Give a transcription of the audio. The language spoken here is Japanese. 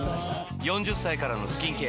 ４０歳からのスキンケア